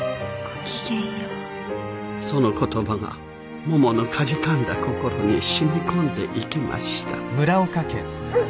その言葉がもものかじかんだ心にしみこんでいきました。